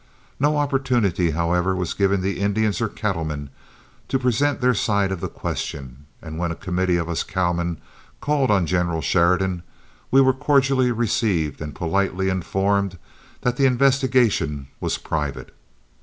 No opportunity, however, was given the Indians or cattlemen to present their side of the question, and when a committee of us cowmen called on General Sheridan we were cordially received and politely informed that the investigation was private.